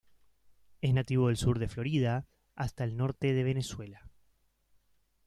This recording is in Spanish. Es nativo del sur de Florida hasta el norte de Venezuela.